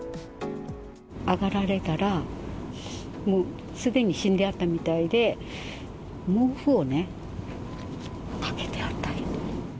上がられたら、もうすでに死んであったみたいで、毛布をね、かけてあった。